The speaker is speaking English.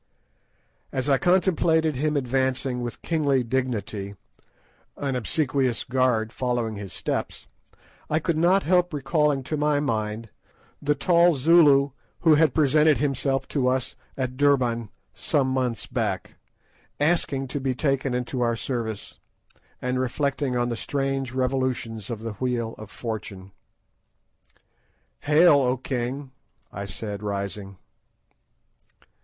As I contemplated him advancing with kingly dignity, an obsequious guard following his steps, I could not help recalling to my mind the tall Zulu who had presented himself to us at Durban some few months back, asking to be taken into our service, and reflecting on the strange revolutions of the wheel of fortune. "Hail, O king!" I said, rising.